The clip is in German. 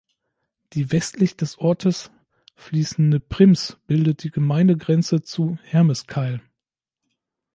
Die westlich des Ortes fließende Prims bildet die Gemeindegrenze zu Hermeskeil.